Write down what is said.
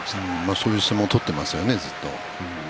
そういう相撲を取ってますよねずっと。